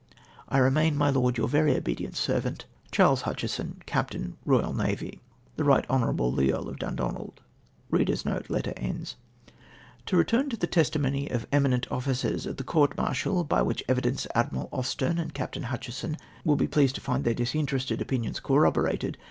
" I remain, my Lord, " Your very obedient servant, " Chas. Hutchinson, Capt. E.N. "The Right Iionl:>le. the Earl of Dimdonaki;' To return to the testimony of eminent officers at the court martial, by which evidence Admiral Austen and Captain Hutchinson will be pleased to fiiid their dis interested opinions corroborated.